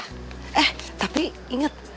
eh tapi inget